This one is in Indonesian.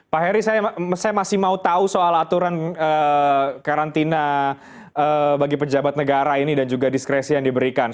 pak heri saya masih mau tahu soal aturan karantina bagi pejabat negara ini dan juga diskresi yang diberikan